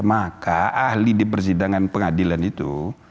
maka ahli di persidangan pengadilan itu